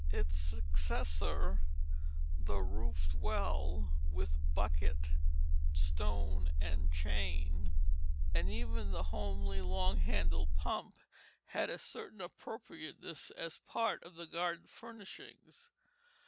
Its successor, the roofed well with bucket, stone, and chain, and even the homely long handled pump, had a certain appropriateness as part of the garden furnishings.